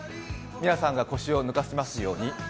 皆さんが腰を抜かしますように。